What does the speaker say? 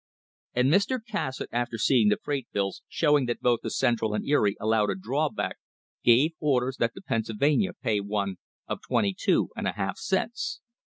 And Mr. Cassatt after seeing the freight bills showing that both the Central and Erie allowed a drawback gave orders that the Pennsylvania pay one of 22% cents.